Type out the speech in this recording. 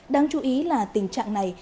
đáng chú ý là tình trạng này